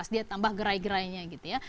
dia tambah gerai gerainya gitu ya